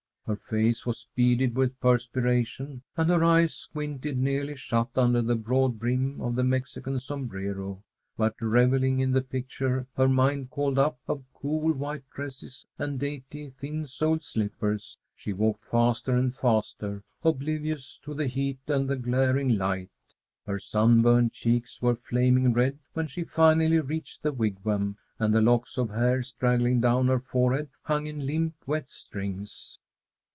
Her face was beaded with perspiration and her eyes squinted nearly shut under the broad brim of the Mexican sombrero, but, revelling in the picture her mind called up of cool white dresses and dainty thin soled slippers, she walked faster and faster, oblivious to the heat and the glaring light. Her sunburned cheeks were flaming red when she finally reached the Wigwam, and the locks of hair straggling down her forehead hung in limp wet strings.